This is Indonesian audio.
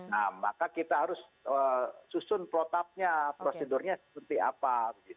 nah maka kita harus susun protapnya prosedurnya seperti apa